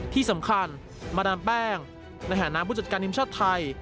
ที่สำคัญมาดามแป้งนาแห่งนามผู้จัดการนิมชาติไทย